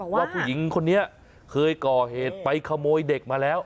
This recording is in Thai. ว่าผู้หญิงคนนี้เคยก่อเหตุไปขโมยเด็กมาแล้ว